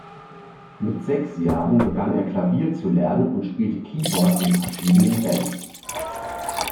Mit sechs Jahren begann er Klavier zu lernen und spielte Keyboard in verschiedenen Bands.